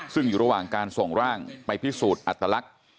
ซึ่งอยู่ระหว่างการส่งร่างไปพิสูจน์อัตลักษณ์